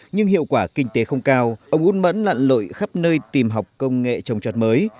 nhưng hiệu quả kinh tế không cao ông út mẫn lặn lội khắp nơi tìm học công nghệ trồng trọt mới